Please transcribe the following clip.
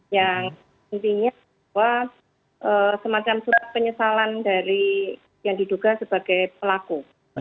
yang intinya bahwa semacam surat penyesalan dari yang diduga sebagai pelaku